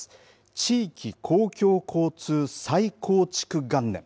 地域公共交通再構築元年。